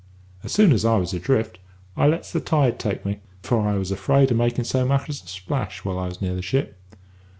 As soon as I was adrift, I lets the tide take me, for I was afraid of makin' so much as a splash whilst I was near the ship.